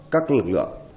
các lực lượng